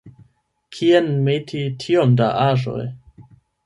Kien meti tiom da aĵoj?